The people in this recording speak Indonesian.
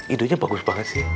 ide nya bagus banget sih